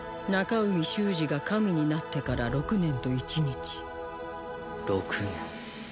中海修滋が神になってから６年と１日６年